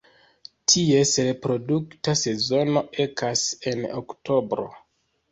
Ties reprodukta sezono ekas en oktobro.